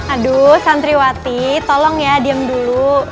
aduuu santriwati tolong yaa diem dulu